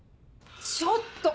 ちょっと！